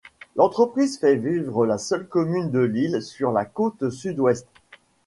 L'entreprise fait vivre la seule commune de l'île, sur la côte sud-ouest.